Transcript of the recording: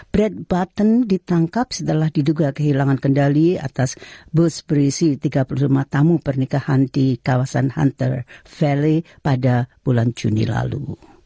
brad button ditangkap setelah diduga kehilangan kendali atas bus berisi tiga puluh lima tamu pernikahan di kawasan hunter valley pada bulan juni lalu